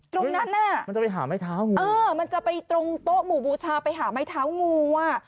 ตรงนั้นน่ะมันจะไปหาไม้เท้าไงเออมันจะไปตรงโต๊ะหมู่บูชาไปหาไม้เท้างูอ่ะ